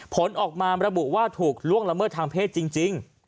ผลออกมาระบุว่าถูกล่วงละเมิดทางเพศจริง